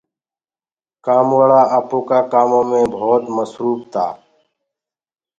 ورڪر بي آپو ڪآ ڪآمو مي تمآم مسروڦ تآ۔